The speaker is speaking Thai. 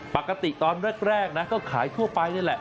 ปกติตอนแรกนะก็ขายทั่วไปนี่แหละ